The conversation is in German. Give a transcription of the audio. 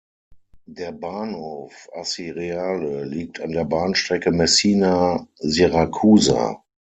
Der Bahnhof Acireale liegt an der Bahnstrecke Messina–Siracusa.